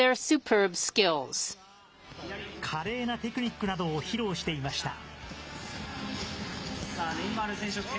華麗なテクニックなどを披露していました。